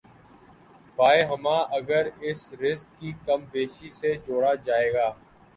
بایں ہمہ، اگر اسے رزق کی کم بیشی سے جوڑا جائے گا۔